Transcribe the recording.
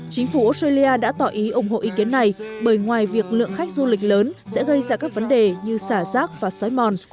chính phủ australia đã tỏ ý ủng hộ ý kiến này bởi ngoài việc lượng khách du lịch lớn sẽ gây ra các vấn đề như xả rác và xói mòn